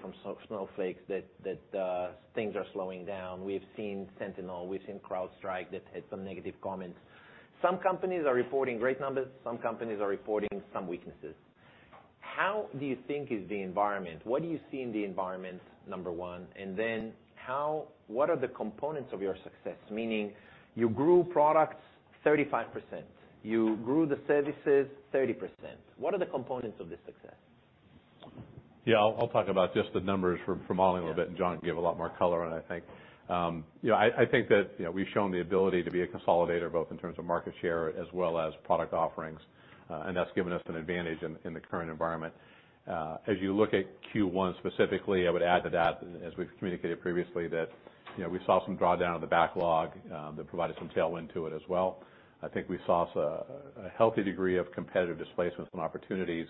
From some Snowflake that, things are slowing down. We've seen SentinelOne, we've seen CrowdStrike, that had some negative comments. Some companies are reporting great numbers, some companies are reporting some weaknesses. How do you think is the environment? What do you see in the environment, number one? What are the components of your success? Meaning, you grew products 35%, you grew the services 30%. What are the components of this success? Yeah, I'll talk about just the numbers for modeling a little bit. John can give a lot more color on it, I think. You know, I think that, you know, we've shown the ability to be a consolidator, both in terms of market share as well as product offerings. That's given us an advantage in the current environment. As you look at Q1 specifically, I would add to that, as we've communicated previously, that, you know, we saw some drawdown of the backlog that provided some tailwind to it as well. I think we saw a healthy degree of competitive displacement and opportunities.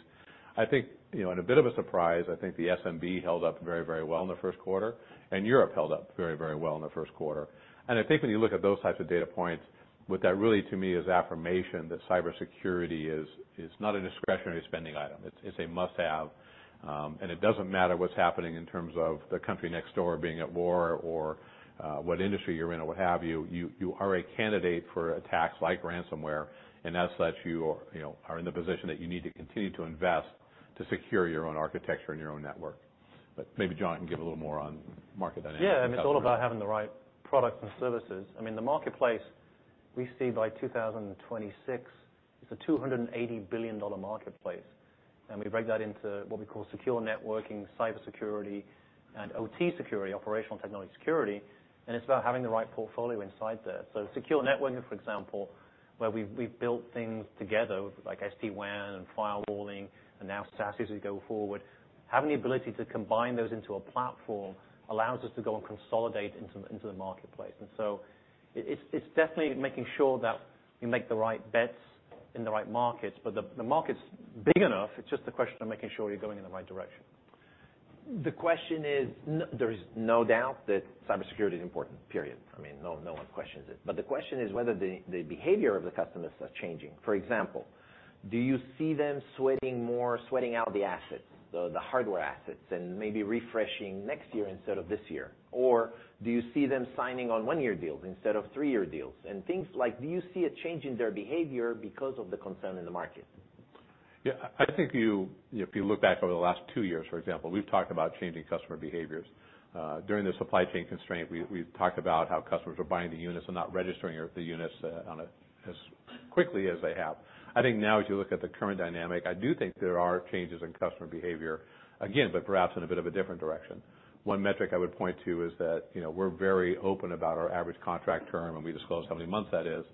I think, you know, in a bit of a surprise, I think the SMB held up very well in the Q1. Europe held up very well in the Q1. I think when you look at those types of data points, what that really to me is affirmation that cybersecurity is not a discretionary spending item. It's a must-have, and it doesn't matter what's happening in terms of the country next door being at war or what industry you're in, or what have you. You are a candidate for attacks like ransomware, and as such, you know, are in the position that you need to continue to invest to secure your own architecture and your own network. Maybe John can give a little more on market dynamics. Yeah, and it's all about having the right products and services. I mean, the marketplace, we see by 2026, it's a $280 billion marketplace. We break that into what we call secure networking, cybersecurity, and OT security, operational technology security, and it's about having the right portfolio inside there. Secure networking, for example, where we've built things together, like SD-WAN and firewalling, and now SASE as we go forward. Having the ability to combine those into a platform allows us to go and consolidate into the marketplace. It's definitely making sure that you make the right bets in the right markets, but the market's big enough, it's just a question of making sure you're going in the right direction. The question is, there is no doubt that cybersecurity is important, period. I mean, no one questions it. The question is whether the behavior of the customers are changing. For example, do you see them sweating more, sweating out the assets, the hardware assets, and maybe refreshing next year instead of this year? Or do you see them signing on 1-year deals instead of 3-year deals? Things like, do you see a change in their behavior because of the concern in the market? Yeah, I think you, if you look back over the last 2 years, for example, we've talked about changing customer behaviors. During the supply chain constraint, we've talked about how customers were buying the units and not registering the units on a as quickly as they have. I think now, as you look at the current dynamic, I do think there are changes in customer behavior, again, but perhaps in a bit of a different direction. One metric I would point to is that, you know, we're very open about our average contract term, and we disclose how many months that is.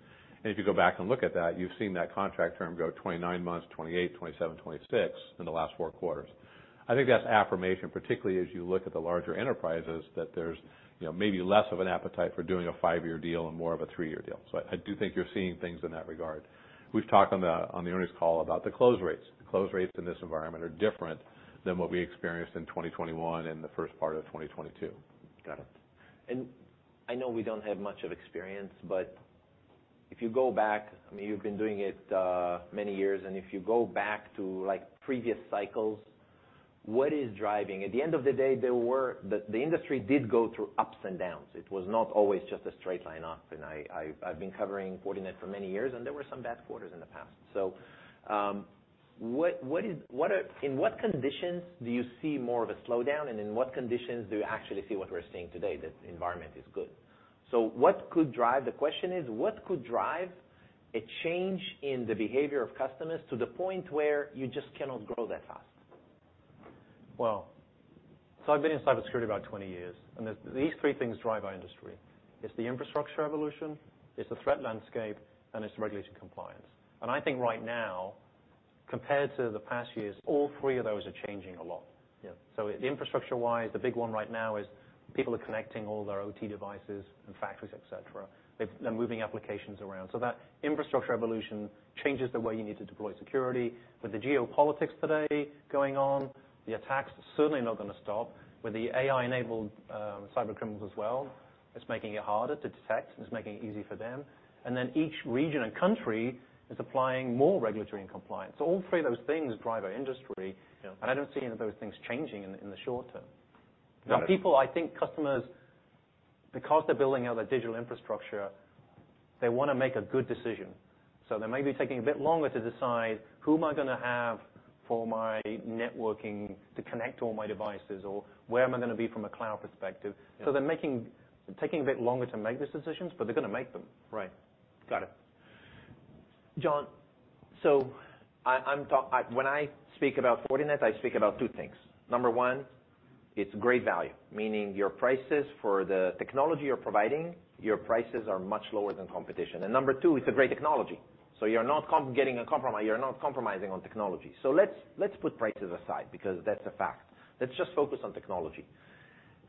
If you go back and look at that, you've seen that contract term go 29 months, 28, 27, 26 in the last four quarters. I think that's affirmation, particularly as you look at the larger enterprises, that there's, you know, maybe less of an appetite for doing a five-year deal and more of a three-year deal. I do think you're seeing things in that regard. We've talked on the earnings call about the close rates. The close rates in this environment are different than what we experienced in 2021 and the first part of 2022. Got it. I know we don't have much of experience, but if you go back, I mean, you've been doing it, many years, and if you go back to, like, previous cycles, what is driving? At the end of the day, the industry did go through ups and downs. It was not always just a straight line up, and I've, I've been covering Fortinet for many years, and there were some bad quarters in the past. In what conditions do you see more of a slowdown? In what conditions do you actually see what we're seeing today, that the environment is good? The question is, what could drive a change in the behavior of customers to the point where you just cannot grow that fast? I've been in cybersecurity about 20 years, and these three things drive our industry: It's the infrastructure evolution, it's the threat landscape, and it's regulation compliance. I think right now, compared to the past years, all three of those are changing a lot. Yeah. Infrastructure-wise, the big one right now is people are connecting all their OT devices and factories, et cetera. They're moving applications around. That infrastructure evolution changes the way you need to deploy security. With the geopolitics today going on, the attacks are certainly not going to stop. With the AI-enabled cybercriminals as well, it's making it harder to detect, and it's making it easy for them. Each region and country is applying more regulatory and compliance. All three of those things drive our industry. Yeah I don't see any of those things changing in the short term. Got it. People, I think customers, because they're building out their digital infrastructure, they wanna make a good decision. They may be taking a bit longer to decide who am I gonna have for my networking to connect all my devices, or where am I gonna be from a cloud perspective? Yeah. They're taking a bit longer to make these decisions, but they're gonna make them. Right. Got it. John, when I speak about Fortinet, I speak about two things. Number one, it's great value, meaning your prices for the technology you're providing, your prices are much lower than competition. Number two, it's a great technology, so you're not getting a compromise, you're not compromising on technology. Let's put prices aside, because that's a fact. Let's just focus on technology.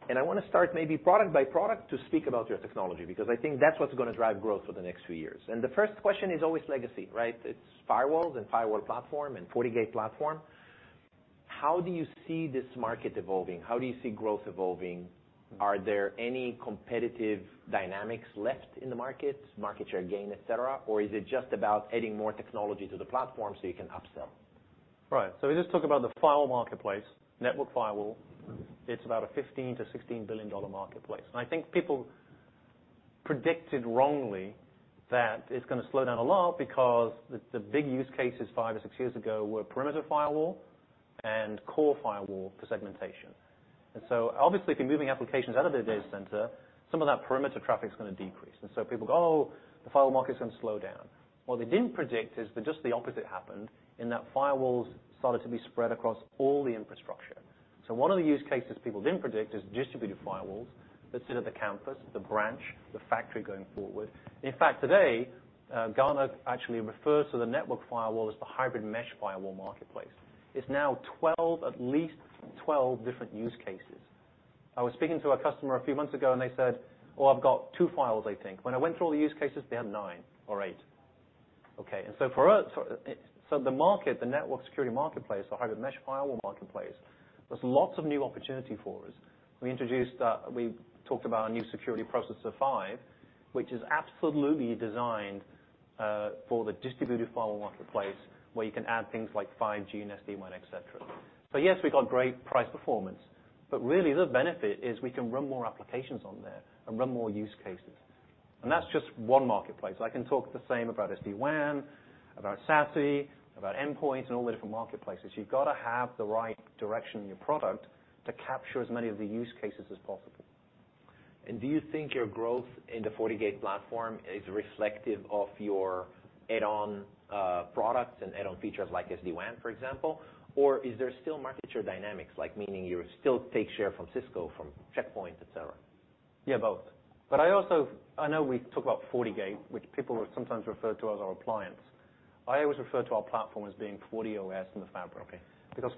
I wanna start maybe product by product to speak about your technology, because I think that's what's gonna drive growth for the next few years. The first question is always legacy, right? It's firewalls and firewall platform and FortiGate platform. How do you see this market evolving? How do you see growth evolving? Are there any competitive dynamics left in the market share gain, et cetera? Is it just about adding more technology to the platform so you can upsell? Right. We just talked about the firewall marketplace, network firewall. It's about a $15 billion-$16 billion marketplace. I think people predicted wrongly that it's going to slow down a lot because the big use cases five or six years ago were perimeter firewall and core firewall for segmentation. Obviously, if you're moving applications out of their data center, some of that perimeter traffic is going to decrease. People go, "Oh, the firewall market's going to slow down." What they didn't predict is that just the opposite happened, in that firewalls started to be spread across all the infrastructure. One of the use cases people didn't predict is distributed firewalls that sit at the campus, the branch, the factory going forward. In fact, today, Gartner actually refers to the network firewall as the hybrid mesh firewall marketplace. It's now 12, at least 12 different use cases. I was speaking to a customer a few months ago, and they said, "Oh, I've got two firewalls," they think. When I went through all the use cases, they had nine or eight. Okay, for us, the market, the network security marketplace, the hybrid mesh firewall marketplace, there's lots of new opportunity for us. We introduced, we talked about our new Security Processor 5, which is absolutely designed for the distributed firewall marketplace, where you can add things like 5G and SD-WAN, et cetera. Yes, we've got great price performance, but really, the benefit is we can run more applications on there and run more use cases. That's just one marketplace. I can talk the same about SD-WAN, about SASE, about endpoints, and all the different marketplaces. You've got to have the right direction in your product to capture as many of the use cases as possible. Do you think your growth in the FortiGate platform is reflective of your add-on products and add-on features like SD-WAN, for example? Is there still market share dynamics, like, meaning you still take share from Cisco, from Check Point, et cetera? Yeah, both. I also know we talk about FortiGate, which people sometimes refer to as our appliance. I always refer to our platform as being FortiOS in the fabric.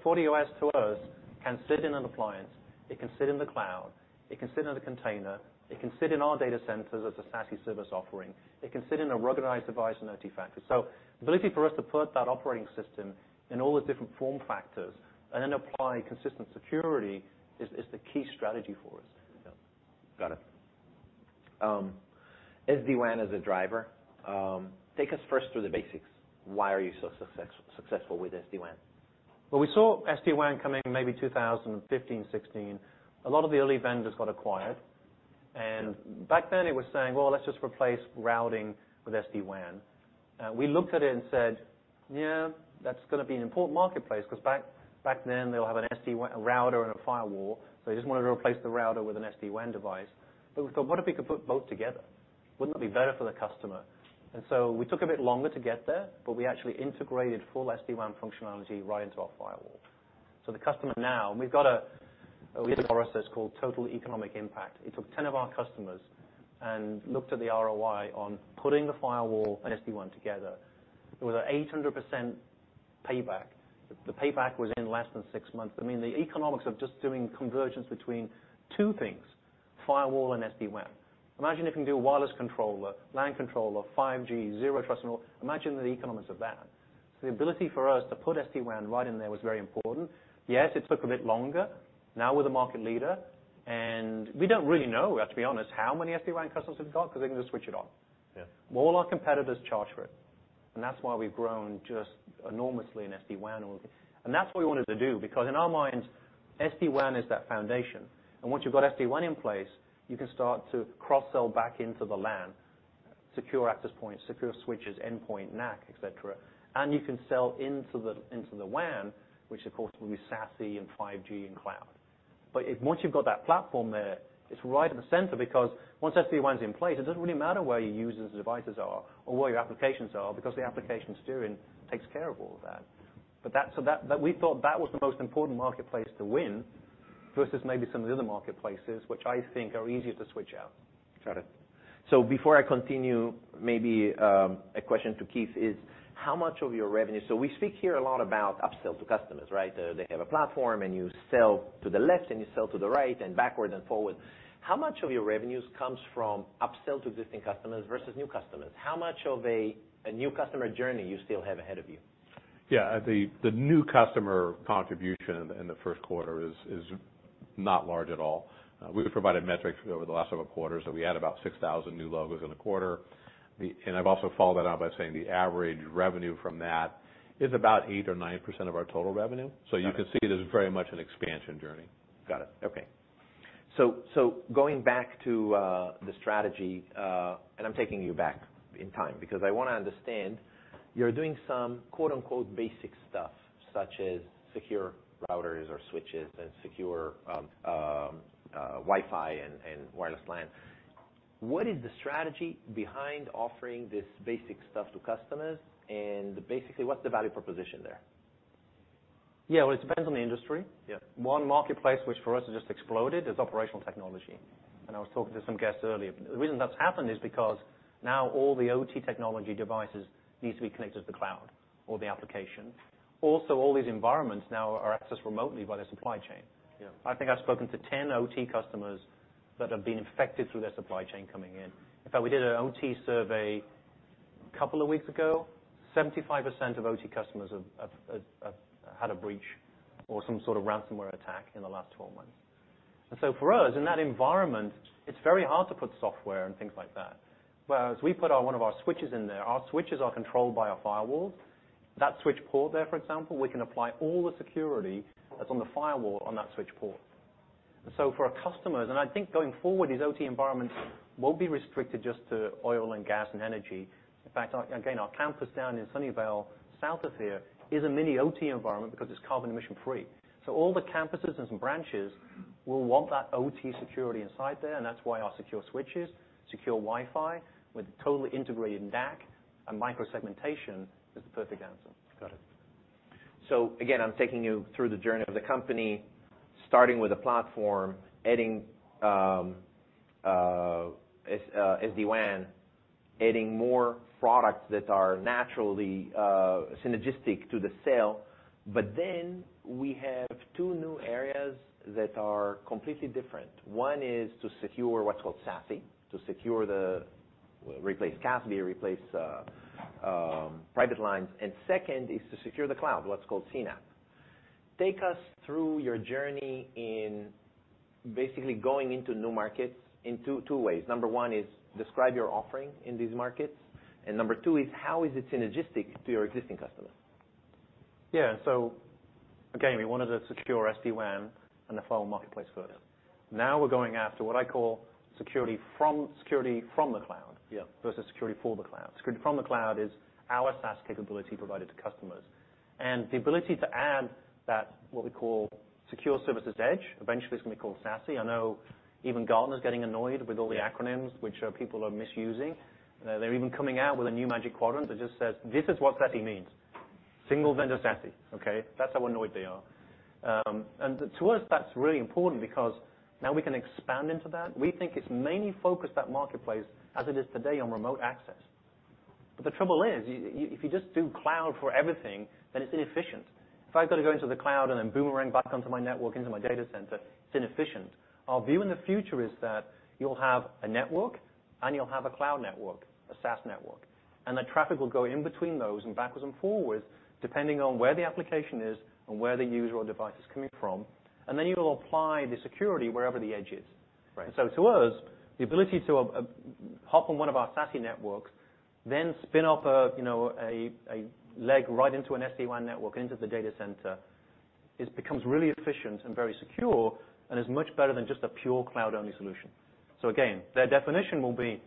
FortiOS, to us, can sit in an appliance, it can sit in the cloud, it can sit in a container, it can sit in our data centers as a SASE service offering, it can sit in a ruggedized device in an OT factory. The ability for us to put that operating system in all the different form factors and then apply consistent security is the key strategy for us. Got it. SD-WAN as a driver, take us first through the basics. Why are you so successful with SD-WAN? We saw SD-WAN coming in maybe 2015, 2016. A lot of the early vendors got acquired. Back then it was saying, "Well, let's just replace routing with SD-WAN." We looked at it and said, "Yeah, that's gonna be an important marketplace," 'cause back then, they'll have an SD-WAN, a router and a firewall, so they just wanted to replace the router with an SD-WAN device. We thought, what if we could put both together? Wouldn't it be better for the customer? We took a bit longer to get there, but we actually integrated full SD-WAN functionality right into our firewall. The customer now, we had a process called Total Economic Impact. It took 10 of our customers and looked at the ROI on putting the firewall and SD-WAN together. It was an 800% payback. The payback was in less than six months. I mean, the economics of just doing convergence between two things, firewall and SD-WAN. Imagine if you can do a wireless controller, LAN controller, 5G, Zero Trust and all. Imagine the economics of that. The ability for us to put SD-WAN right in there was very important. Yes, it took a bit longer. Now we're the market leader, and we don't really know, we have to be honest, how many SD-WAN customers we've got because they can just switch it on. Yeah. All our competitors charge for it, that's why we've grown just enormously in SD-WAN. That's what we wanted to do, because in our minds, SD-WAN is that foundation. Once you've got SD-WAN in place, you can start to cross-sell back into the LAN, secure access points, secure switches, endpoint, NAC, et cetera. You can sell into the WAN, which of course, will be SASE and 5G and cloud. If once you've got that platform there, it's right in the center, because once SD-WAN is in place, it doesn't really matter where your users' devices are or where your applications are, because the application steering takes care of all of that. That, we thought that was the most important marketplace to win versus maybe some of the other marketplaces, which I think are easier to switch out. Got it. Before I continue, maybe, a question to Keith is: How much of your revenue. We speak here a lot about upsell to customers, right? They have a platform, and you sell to the left, and you sell to the right, and backward and forward. How much of your revenues comes from upsell to existing customers versus new customers? How much of a new customer journey you still have ahead of you? Yeah, the new customer contribution in the Q1 is not large at all. We provided metrics over the last several quarters, so we had about 6,000 new logos in the quarter. I've also followed that up by saying the average revenue from that is about 8% or 9% of our total revenue. Got it. You can see this is very much an expansion journey. Got it. Okay. Going back to the strategy, and I'm taking you back in time because I wanna understand, you're doing some, "basic stuff," such as secure routers or switches and secure Wi-Fi and wireless LAN. What is the strategy behind offering this basic stuff to customers? Basically, what's the value proposition there? Yeah, well, it depends on the industry. Yeah. One marketplace, which for us, has just exploded, is operational technology. I was talking to some guests earlier. The reason that's happened is because now all the OT technology devices needs to be connected to the cloud or the application. All these environments now are accessed remotely by their supply chain. Yeah. I think I've spoken to 10 OT customers that have been infected through their supply chain coming in. In fact, we did an OT survey a couple of weeks ago. 75% of OT customers have had a breach or some sort of ransomware attack in the last 12 months. For us, in that environment, it's very hard to put software and things like that. As we put one of our switches in there, our switches are controlled by our firewall. That switch port there, for example, we can apply all the security that's on the firewall on that switch port. For our customers, and I think going forward, these OT environments won't be restricted just to oil and gas and energy. In fact, again, our campus down in Sunnyvale, south of here, is a mini OT environment because it's carbon emission-free. All the campuses and some branches will want that OT security inside there, and that's why our secure switches, secure Wi-Fi, with totally integrated NAC and microsegmentation is the perfect answer. Got it. Again, I'm taking you through the journey of the company, starting with a platform, adding SD-WAN, adding more products that are naturally synergistic to the sale. We have two new areas that are completely different. One is to secure what's called SASE, replace CASB, replace private lines, and second is to secure the cloud, what's called CNAPP. Take us through your journey in basically going into new markets in two ways. Number one is describe your offering in these markets, and number two is, how is it synergistic to your existing customers? Yeah. Again, we wanted a secure SD-WAN and the firewall marketplace first. Now we're going after what I call security from the cloud versus security for the cloud. Security from the cloud is our SaaS capability provided to customers. The ability to add that, what we call Security Service Edge, eventually it's going to be called SASE. I know even Gartner is getting annoyed with all the acronyms which people are misusing. They're even coming out with a new Magic Quadrant that just says, "This is what SASE means, single-vendor SASE," okay? That's how annoyed they are. To us, that's really important because now we can expand into that. We think it's mainly focused that marketplace, as it is today, on remote access. The trouble is, you if you just do cloud for everything, then it's inefficient. If I've got to go into the cloud and then boomerang back onto my network, into my data center, it's inefficient. Our view in the future is that you'll have a network, and you'll have a cloud network, a SaaS network, and the traffic will go in between those and backwards and forwards, depending on where the application is and where the user or device is coming from, and then you will apply the security wherever the edge is. Right. To us, the ability to hop on one of our SASE networks, then spin up a, you know, a leg right into an SD-WAN network, into the data center, it becomes really efficient and very secure and is much better than just a pure cloud-only solution. Again, their definition will be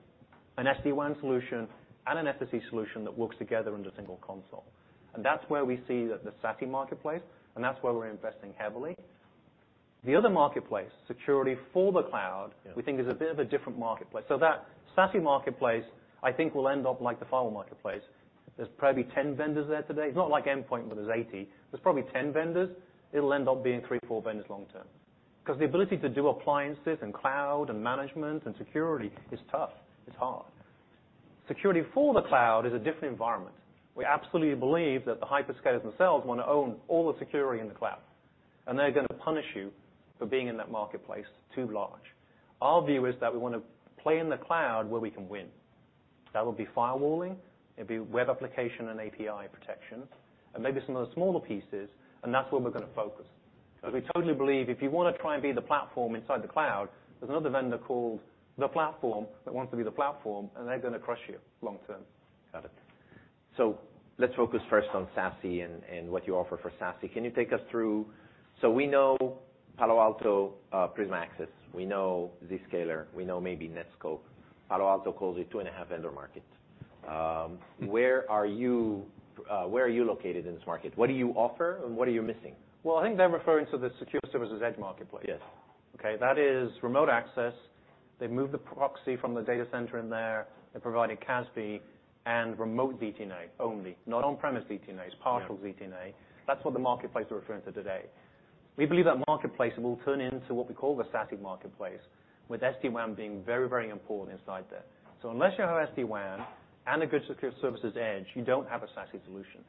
an SD-WAN solution and an SSE solution that works together under a single console. That's where we see the SASE marketplace, and that's where we're investing heavily. The other marketplace, security for the cloud we think is a bit of a different marketplace. That SASE marketplace, I think, will end up like the firewall marketplace. There's probably 10 vendors there today. It's not like endpoint, where there's 80. There's probably 10 vendors. It'll end up being 3, 4 vendors long term. The ability to do appliances and cloud and management and security is tough, it's hard. Security for the cloud is a different environment. We absolutely believe that the hyperscalers themselves want to own all the security in the cloud, and they're going to punish you for being in that marketplace too large. Our view is that we want to play in the cloud where we can win. That would be firewalling, it'd be web application and API protection, and maybe some of the smaller pieces, and that's where we're going to focus. We totally believe if you want to try and be the platform inside the cloud, there's another vendor called The Platform that wants to be the platform, and they're going to crush you long term. Got it. Let's focus first on SASE and what you offer for SASE. Can you take us through? We know Palo Alto, Prisma Access, we know Zscaler, we know maybe Netskope. Palo Alto calls it 2.5 vendor market. Where are you, where are you located in this market? What do you offer, and what are you missing? Well, I think they're referring to the Security Service Edge marketplace. Yes. Okay, that is remote access. They've moved the proxy from the data center in there. They're providing CASB and remote ZTNA only, not on-premise ZTNA, it's partial ZTNA. That's what the marketplace is referring to today. We believe that marketplace will turn into what we call the SASE marketplace, with SD-WAN being very, very important inside there. Unless you have SD-WAN and a good Security Service Edge, you don't have a SASE solution.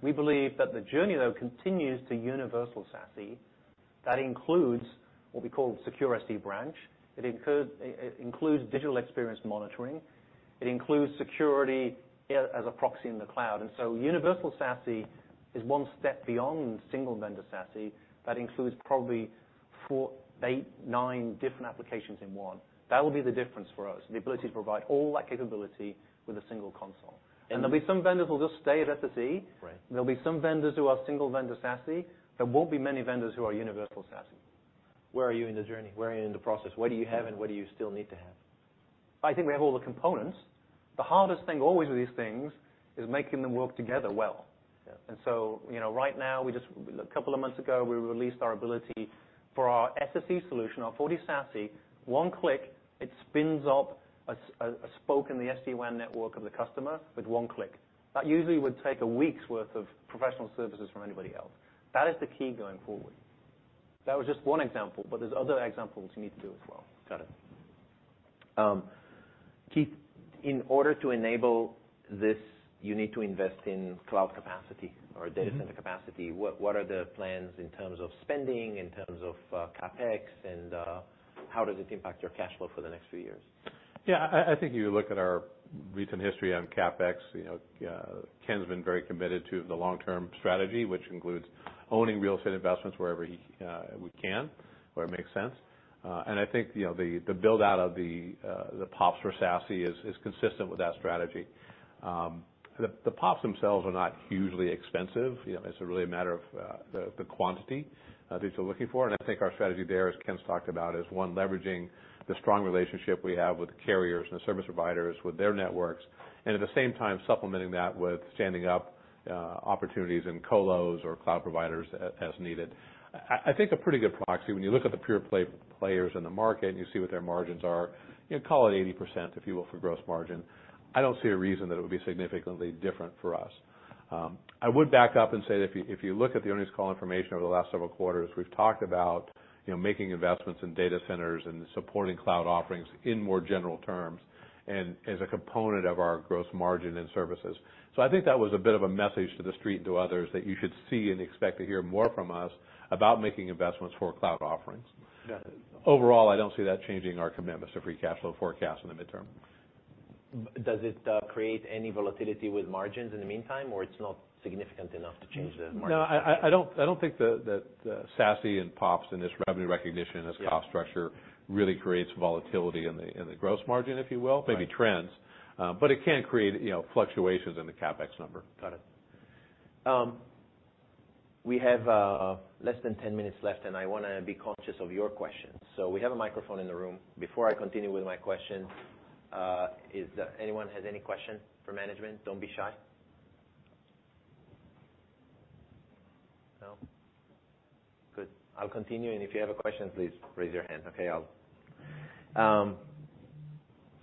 We believe that the journey, though, continues to Universal SASE. That includes what we call Secure SD-Branch. It includes digital experience monitoring. It includes security as a proxy in the cloud. Universal SASE is one step beyond single-vendor SASE. That includes probably four, eight, nine different applications in one. That will be the difference for us, the ability to provide all that capability with a single console. And- There'll be some vendors who'll just stay at SSE. Right. There'll be some vendors who are single-vendor SASE. There won't be many vendors who are Universal SASE. Where are you in the journey? Where are you in the process? What do you have, and what do you still need to have? I think we have all the components. The hardest thing always with these things, is making them work together well. Yeah. You know, right now, we a couple of months ago, we released our ability for our SSE solution, our FortiSASE, one click, it spins up a spoke in the SD-WAN network of the customer with one click. That usually would take a week's worth of professional services from anybody else. That is the key going forward. That was just one example, there's other examples you need to do as well. Got it. Keith, in order to enable this, you need to invest in cloud capacity or data center capacity. What are the plans in terms of spending, in terms of CapEx, and how does it impact your cash flow for the next few years? Yeah, I think you look at our recent history on CapEx, you know, Ken's been very committed to the long-term strategy, which includes owning real estate investments wherever he, we can, where it makes sense. I think, you know, the build-out of the POPs for SASE is consistent with that strategy. The POPs themselves are not hugely expensive, you know, it's really a matter of the quantity that you're looking for. I think our strategy there, as Ken's talked about, is one, leveraging the strong relationship we have with the carriers and the service providers with their networks, and at the same time, supplementing that with standing up opportunities in colos or cloud providers as needed. I think a pretty good proxy, when you look at the pure-play players in the market, and you see what their margins are, you know, call it 80%, if you will, for gross margin. I don't see a reason that it would be significantly different for us. I would back up and say that if you look at the earnings call information over the last several quarters, we've talked about, you know, making investments in data centers and supporting cloud offerings in more general terms, and as a component of our gross margin in services. I think that was a bit of a message to the street and to others that you should see and expect to hear more from us about making investments for cloud offerings. Got it. Overall, I don't see that changing our commitments to free cash flow forecast in the midterm. Does it create any volatility with margins in the meantime, or it's not significant enough to change the margin? No, I don't think that SASE and POPs and this revenue recognition- Yeah This cost structure really creates volatility in the gross margin, if you will. Right. Maybe trends, but it can create, you know, fluctuations in the CapEx number. Got it. We have less than 10 minutes left, and I wanna be conscious of your questions. We have a microphone in the room. Before I continue with my questions, is anyone has any question for management? Don't be shy. No? Good. I'll continue, and if you have a question, please raise your hand. Okay,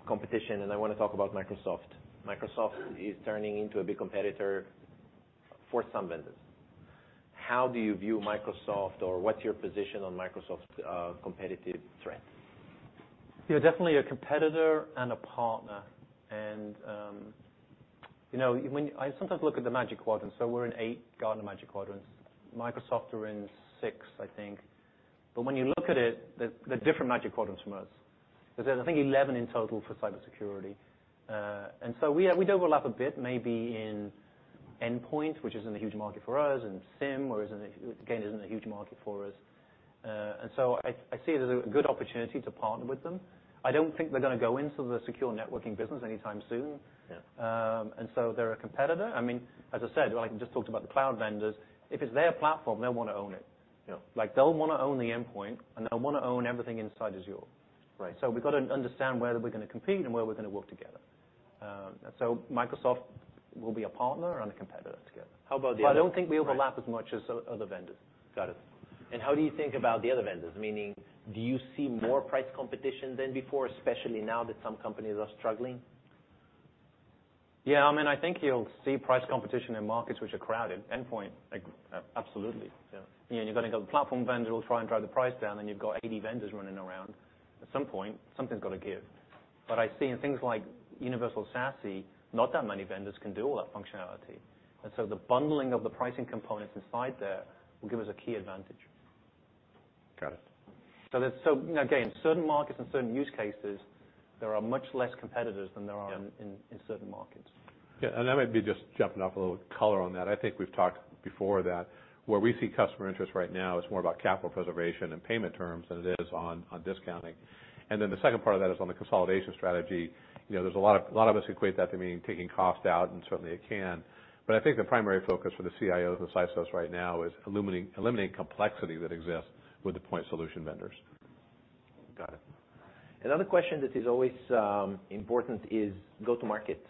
competition, I wanna talk about Microsoft. Microsoft is turning into a big competitor for some vendors. How do you view Microsoft, or what's your position on Microsoft's competitive threat? They're definitely a competitor and a partner. you know, I sometimes look at the Magic Quadrant, so we're in 8 Gartner Magic Quadrants. Microsoft are in 6, I think. When you look at it, they're different Magic Quadrants from us, because there's, I think, 11 in total for cybersecurity. so we overlap a bit, maybe in endpoint, which isn't a huge market for us, and SIEM, or isn't, again, isn't a huge market for us. so I see it as a good opportunity to partner with them. I don't think they're gonna go into the secure networking business anytime soon. Yeah. They're a competitor. I mean, as I said, I just talked about the cloud vendors, if it's their platform, they'll wanna own it. Yeah. Like, they'll wanna own the endpoint, and they'll wanna own everything inside Azure. Right. We've got to understand where we're gonna compete and where we're gonna work together. Microsoft will be a partner and a competitor together. How about the other-? I don't think we overlap as much as other vendors. Got it. How do you think about the other vendors? Meaning, do you see more price competition than before, especially now that some companies are struggling? Yeah, I mean, I think you'll see price competition in markets which are crowded. Endpoint, like, absolutely. Yeah. You know, you've got to go to the platform vendor who will try and drive the price down, and you've got 80 vendors running around. At some point, something's got to give. I see in things like Universal SASE, not that many vendors can do all that functionality. The bundling of the pricing components inside there will give us a key advantage. Got it. Again, certain markets and certain use cases, there are much less competitors than in certain markets. I might be just jumping off a little color on that. I think we've talked before that where we see customer interest right now is more about capital preservation and payment terms than it is on discounting. Then the second part of that is on the consolidation strategy. You know, there's a lot of us equate that to mean taking cost out, and certainly it can. I think the primary focus for the CIOs and CISOs right now is eliminating complexity that exists with the point solution vendors. Got it. Another question that is always important is go-to-market.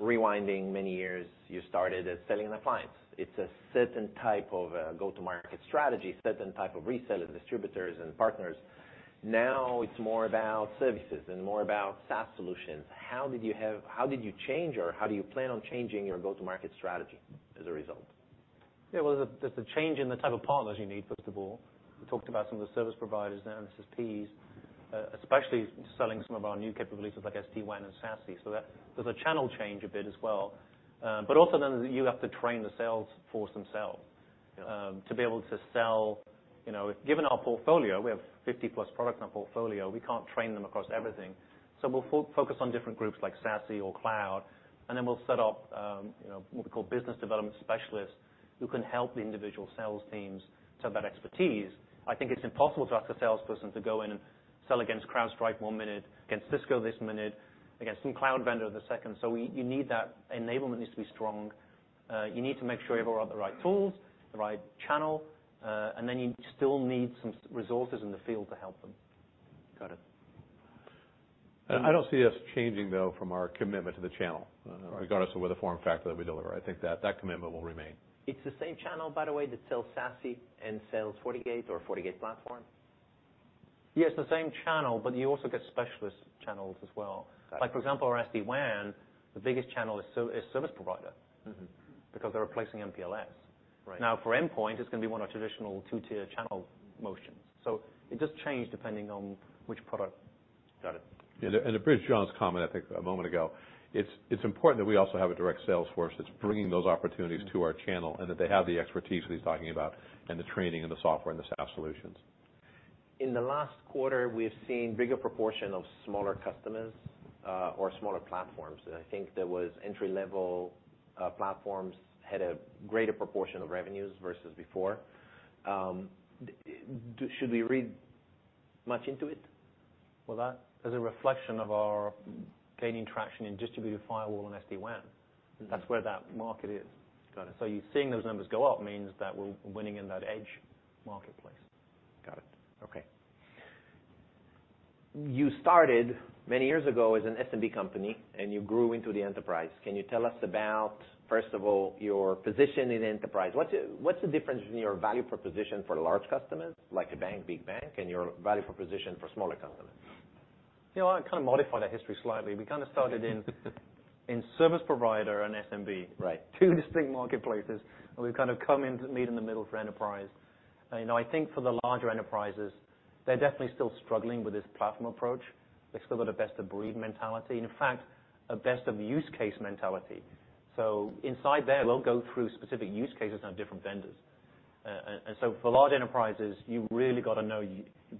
Rewinding many years, you started as selling appliance. It's a certain type of go-to-market strategy, certain type of reseller, distributors, and partners. Now, it's more about services and more about SaaS solutions. How did you change, or how do you plan on changing your go-to-market strategy as a result? Yeah, well, there's a change in the type of partners you need, first of all. We talked about some of the service providers now, MSPs, especially selling some of our new capabilities like SD-WAN and SASE, so there's a channel change a bit as well. Also then, you have to train the sales force themselves. Yeah To be able to sell. You know, given our portfolio, we have 50+ products in our portfolio, we can't train them across everything. We'll focus on different groups like SASE or cloud, and then we'll set up, you know, what we call business development specialists, who can help the individual sales teams to have that expertise. I think it's impossible to ask a salesperson to go in and sell against CrowdStrike one minute, against Cisco this minute, against some cloud vendor the second. You need that. Enablement needs to be strong. You need to make sure you have all the right tools, the right channel, and then you still need some resources in the field to help them. Got it. I don't see us changing, though, from our commitment to the channel, regardless of where the form factor that we deliver. I think that commitment will remain. It's the same channel, by the way, that sells SASE and sells FortiGate or FortiGate platform? Yes, the same channel, but you also get specialist channels as well. Got it. Like, for example, our SD-WAN, the biggest channel is service provider. Mm-hmm Because they're replacing MPLS. Right. For endpoint, it's going to be one of traditional two-tier channel motions. It does change depending on which product. Got it. Yeah, to bridge John's comment, I think, a moment ago, it's important that we also have a direct sales force that's bringing those opportunities to our channel, and that they have the expertise that he's talking about, and the training and the software and the SaaS solutions. In the last quarter, we've seen bigger proportion of smaller customers, or smaller platforms. I think there was entry-level platforms had a greater proportion of revenues versus before. Should we read much into it? That is a reflection of our gaining traction in distributed firewall and SD-WAN. Mm-hmm. That's where that market is. Got it. You're seeing those numbers go up means that we're winning in that edge marketplace. Got it. Okay. You started many years ago as an SMB company, and you grew into the enterprise. Can you tell us about, first of all, your position in enterprise? What's the difference in your value proposition for large customers, like a bank, big bank, and your value proposition for smaller customers? You know, I'd kind of modify that history slightly. We kind of started in service provider and SMB. Right. Two distinct marketplaces, we've kind of come in to meet in the middle for enterprise. You know, I think for the larger enterprises, they're definitely still struggling with this platform approach. They still got a best of breed mentality, and in fact, a best of use case mentality. Inside there, we'll go through specific use cases on different vendors. For large enterprises, you've really got to know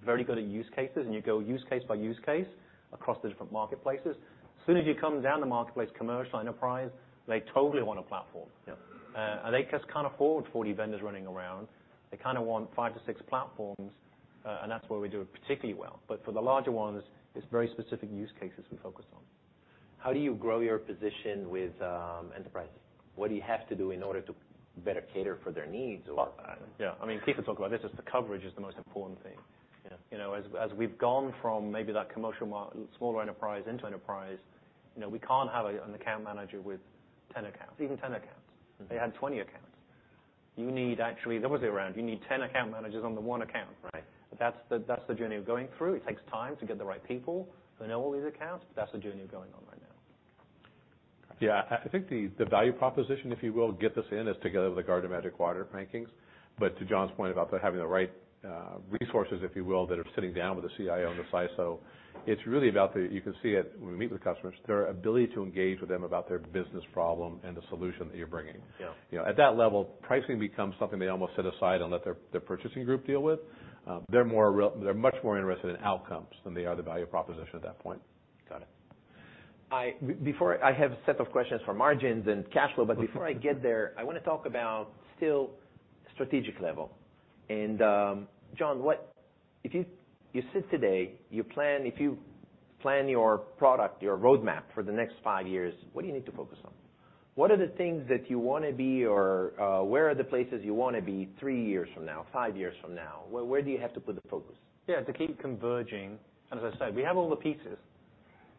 very good at use cases, and you go use case by use case across the different marketplaces. As soon as you come down the marketplace, commercial enterprise, they totally want a platform. Yeah. They just can't afford 40 vendors running around. They kind of want 5 to 6 platforms, that's where we do it particularly well. For the larger ones, it's very specific use cases we focus on. How do you grow your position with enterprise? What do you have to do in order to better cater for their needs. Well, yeah, I mean, Keith can talk about this, as the coverage is the most important thing. Yeah. You know, as we've gone from maybe that commercial smaller enterprise into enterprise, you know, we can't have an account manager with 10 accounts. They had 20 accounts. You need actually, the other way around, you need 10 account managers on the 1 account. Right. That's the journey we're going through. It takes time to get the right people who know all these accounts. That's the journey we're going on right now. Yeah, I think the value proposition, if you will, get this in, is together with the Gartner Magic Quadrant rankings. To John's point about the having the right resources, if you will, that are sitting down with the CIO and the CISO, it's really about. You can see it when we meet with customers, their ability to engage with them about their business problem and the solution that you're bringing. Yeah. You know, at that level, pricing becomes something they almost set aside and let their purchasing group deal with. They're much more interested in outcomes than they are the value proposition at that point. Got it. Before, I have a set of questions for margins and cash flow, but before I get there, I want to talk about still strategic level. John, if you sit today, you plan, if you plan your product, your roadmap for the next five years, what do you need to focus on? What are the things that you want to be or, where are the places you want to be three years from now, five years from now? Where do you have to put the focus? Yeah, to keep converging. As I said, we have all the pieces.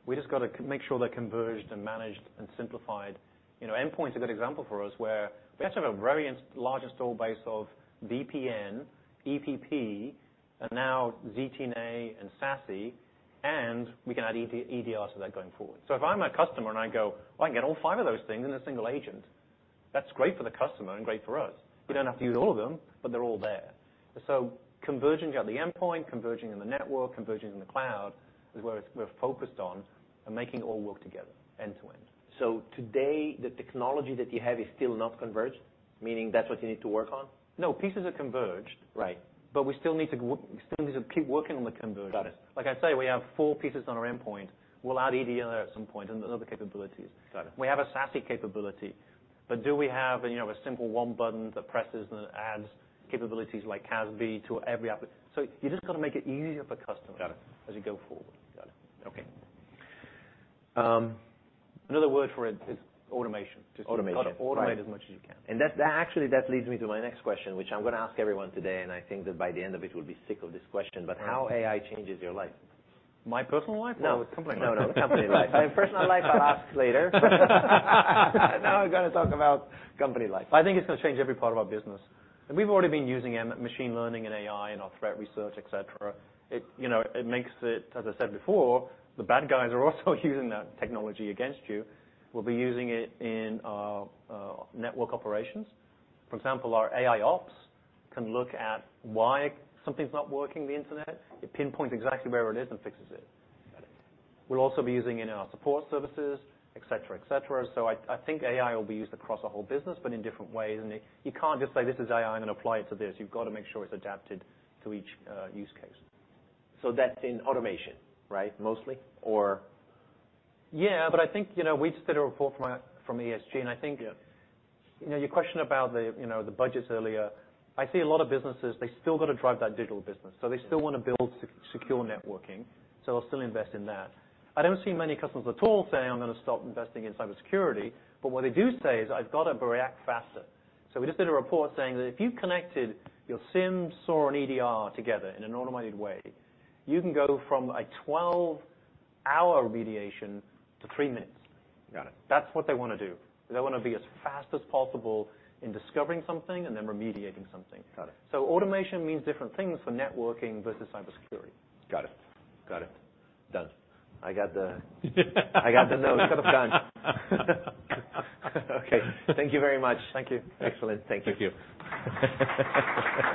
We just got to make sure they're converged and managed and simplified. You know, endpoint's a good example for us, where we actually have a very large install base of VPN, EPP, and now ZTNA and SASE, and we can add EDR to that going forward. If I'm a customer, and I go, "I can get all five of those things in a single agent," that's great for the customer and great for us. You don't have to use all of them, but they're all there. Converging at the endpoint, converging in the network, converging in the cloud, is where it's we're focused on and making it all work together end to end. Today, the technology that you have is still not converged, meaning that's what you need to work on? No, pieces are converged. Right. We still need to keep working on the convergence. Got it. Like I say, we have four pieces on our endpoint. We'll add EDR at some point and other capabilities. Got it. We have a SASE capability, but do we have, you know, a simple one button that presses and adds capabilities like CASB to every app? You just got to make it easier for customers. Got it. As you go forward. Got it. Okay. Another word for it is automation. Automation. Just got to automate as much as you can. That, that actually, that leads me to my next question, which I'm going to ask everyone today, and I think that by the end of it, we'll be sick of this question. How AI changes your life? My personal life? No. Company life? No, no, company life. My personal life, I'll ask later. Now, I'm going to talk about company life. I think it's going to change every part of our business. We've already been using machine learning and AI in our threat research, et cetera. It, you know, it makes it, as I said before, the bad guys are also using that technology against you. We'll be using it in network operations. For example, our AIOps can look at why something's not working, the internet. It pinpoints exactly where it is and fixes it. Got it. We'll also be using it in our support services, et cetera, et cetera. I think AI will be used across the whole business, but in different ways. You can't just say, this is AI, I'm going to apply it to this. You've got to make sure it's adapted to each use case. That's in automation, right? Mostly. I think, you know, we just did a report from ESG, and I think. Yeah. You know, your question about the, you know, the budgets earlier, I see a lot of businesses, they still got to drive that digital business, they still want to build secure networking, they'll still invest in that. I don't see many customers at all saying: I'm going to stop investing in cybersecurity. What they do say is, "I've got to react faster." We just did a report saying that if you connected your SIEM, SOAR, and EDR together in an automated way, you can go from a 12-hour remediation to 3 minutes. Got it. That's what they want to do. They want to be as fast as possible in discovering something and then remediating something. Got it. Automation means different things for networking versus cybersecurity. Got it. Done. I got the note. Sort of done. Okay. Thank you very much. Thank you. Excellent. Thank you. Thank you.